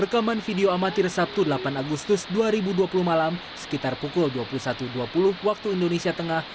rekaman video amatir sabtu delapan agustus dua ribu dua puluh malam sekitar pukul dua puluh satu dua puluh waktu indonesia tengah